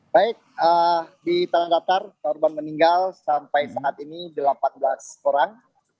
baik di tamantatar korban meninggal sampai saat ini delapan belas orang